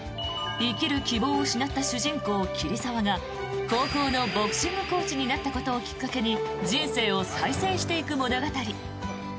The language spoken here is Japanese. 生きる希望を失った主人公桐沢が高校のボクシングコーチになったことをきっかけに人生を再生していく物語。